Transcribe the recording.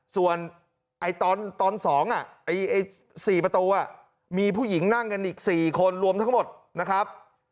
ส่วนตอน๒๔ประตูมีผู้หญิงนั่งกันอีก๔คนรวมทั้งหมดนะครับ